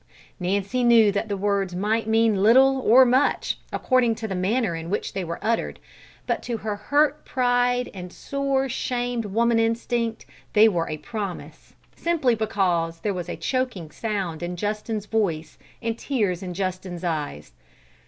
Nancy knew that the words might mean little or much, according to the manner in which they were uttered, but to her hurt pride and sore, shamed woman instinct, they were a promise, simply because there was a choking sound in Justin's voice and tears in Justin's eyes.